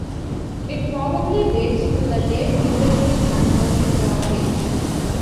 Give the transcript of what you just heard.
It probably dates to the late Neolithic and early Bronze Age.